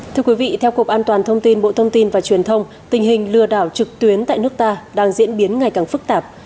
thưa quý vị theo cục an toàn thông tin bộ thông tin và truyền thông tình hình lừa đảo trực tuyến tại nước ta đang diễn biến ngày càng phức tạp